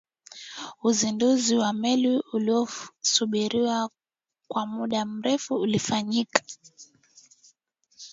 uzinduzi wa meli uliyosubiriwa kwa muda mrefu ulifanyika